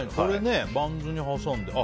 バンズに挟んで。